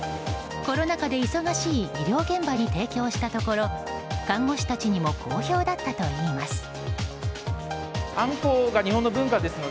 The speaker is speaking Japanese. コロナ禍で忙しい医療現場に提供したところ看護師たちにも好評だったといいます。